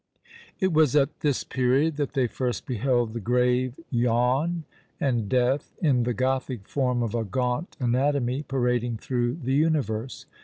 It was at this period that they first beheld the grave yawn, and Death, in the Gothic form of a gaunt anatomy, parading through the universe!